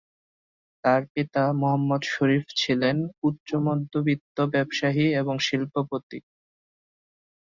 তার পিতা মুহাম্মদ শরীফ ছিলেন উচ্চ-মধ্যবিত্ত ব্যবসায়ী এবং শিল্পপতি।